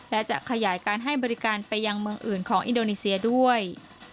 และจะขยายการให้บริการไปยังเมืองอื่นของอินโดนีเซียด้วย